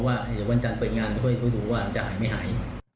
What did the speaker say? ว่าอีกวันจานเปิดงานไปดูว่ามันจะหายไม่หาย